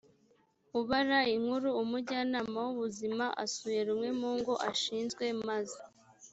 ubara inkuru umujyanama w ubuzima asuye rumwe mu ngo ashinzwe maze